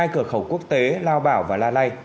cửa khẩu quốc tế lao bảo và la lây